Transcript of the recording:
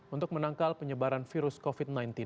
untuk menangkal penyebaran virus covid sembilan belas